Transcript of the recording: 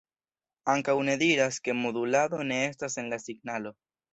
Ankaŭ ne diras, ke modulado ne estas en la signalo.